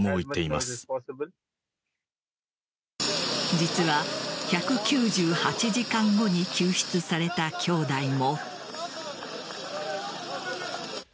実は１９８時間後に救出された兄弟も。